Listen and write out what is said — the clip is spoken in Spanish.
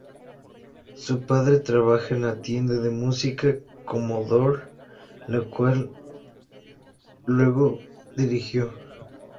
Su padre trabajaba en la tienda de música Commodore, la cual luego dirigió.